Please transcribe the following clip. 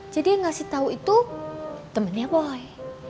jadi yang ngasih tahu itu temennya boy